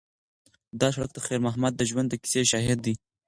دا سړک د خیر محمد د ژوند د کیسې شاهد دی.